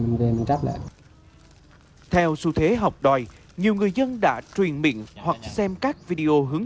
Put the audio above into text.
mình về mình trách lại theo xu thế học đòi nhiều người dân đã truyền miệng hoặc xem các video hướng